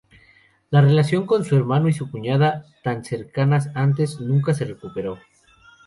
La relación con su hermano y su cuñada, tan cercana antes, nunca se recuperó.